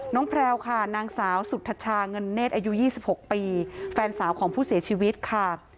แพรวค่ะนางสาวสุธชาเงินเนธอายุ๒๖ปีแฟนสาวของผู้เสียชีวิตค่ะ